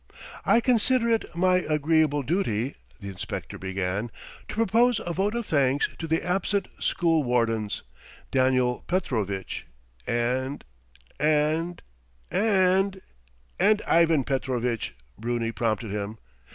"I consider it my agreeable duty," the inspector began, "to propose a vote of thanks to the absent school wardens, Daniel Petrovitch and ... and ... and ..." "And Ivan Petrovitch," Bruni prompted him.